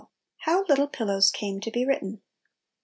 92 HOW "LITTLE PILLOWS" CAME TO BE WRITTEN.